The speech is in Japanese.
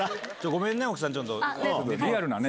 ごめんね奥さん。